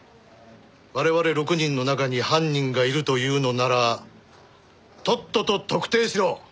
我々６人の中に犯人がいると言うのならとっとと特定しろ。